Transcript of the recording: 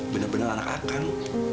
bener bener anak akang